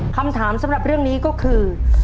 คำถามสำหรับเรื่องนี้ก็คือ